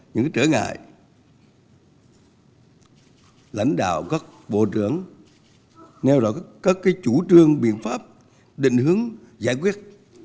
những trở ngại lãnh đạo các bộ trưởng nêu rõ các chủ trương biện pháp định hướng giải quyết